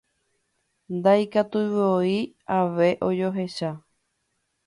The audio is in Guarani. Ndaikatuivoi ave ojoecha.